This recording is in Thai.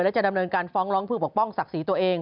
และจะดำเนินการฟ้องร้องเพื่อปกป้องศักดิ์ศรีตัวเอง